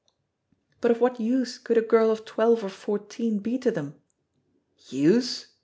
"But of what use could a girl of twelve or fourteen be to them?" "Use!"